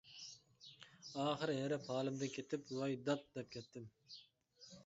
ئاخىرى ھېرىپ ھالىمدىن كېتىپ ۋاي داد، دەپ كەتتىم.